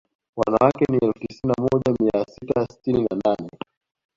Wanawake ni elfu tisini na moja mia sita sitini na nane